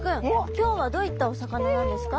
今日はどういったお魚なんですか？